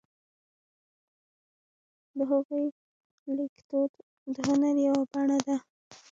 د هغوی لیکدود د هنر یوه بڼه ده.